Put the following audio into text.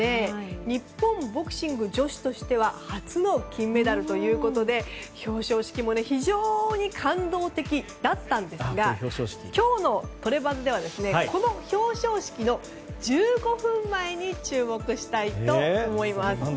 日本ボクシング女子としては初の金メダルということで表彰式も非常に感動的だったんですが今日のトレバズではこの表彰式の１５分前に注目したいと思います。